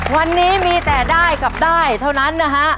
วันนี้มีแต่ได้กับได้เท่านั้นนะฮะ